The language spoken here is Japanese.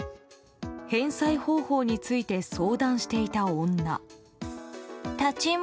返済方法について相談していた女。